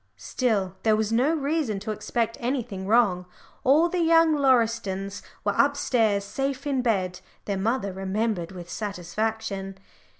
Still, there was no reason to expect anything wrong all the young Lauristons were upstairs safe in bed their mother remembered with satisfaction.